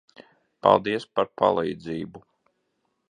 Paldies par palīdzību.